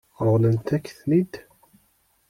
Ṛeḍlent-ak-ten-id?